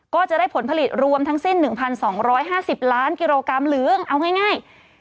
ก็จะได้ผลผลิตรวมทั้งสิ้น๑๒๕๐ล้านกิโลกรัมหรือเอาง่าย